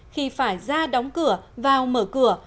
khi phải ra đóng cửa vào mở cửa